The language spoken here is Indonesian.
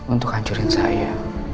untuk hancurin saya